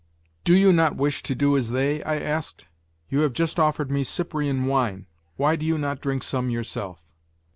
"Do you not wish to do as they?" I asked. "You have just offered me Cyprian wine; why do you not drink some yourself?"